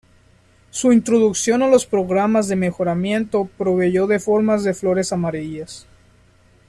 Su introducción a los programas de mejoramiento proveyó de formas de flores amarillas.